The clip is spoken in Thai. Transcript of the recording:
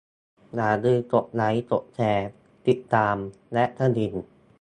อย่าลืม กดไลก์ กดแชร์ ติดตาม และกระดิ่ง